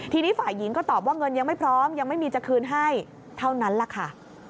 ทีนี้ฝ่ายหญิงก็ตอบว่าเงินยังไม่พร้อมยังไม่มีจะคืนให้เท่านั้นแหละค่ะ